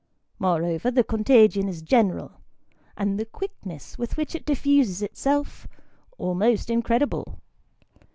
Moreover, the contagion is general, and the quickness with which it diffuses itself, almost incredible.